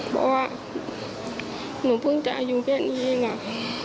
เพราะว่าหนูเพิ่งจะอายุเพียงนี้แหละ